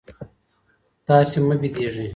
تاسي مه بېدېږئ.